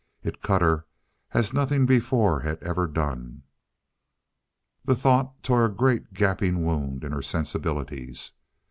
It cut her as nothing before had ever done. The thought tore a great, gaping wound in her sensibilities.